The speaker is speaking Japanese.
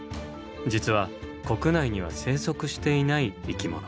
実は国内には生息していない生き物。